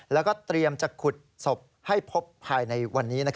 แล้วก็เตรียมจะขุดศพให้พบภายในวันนี้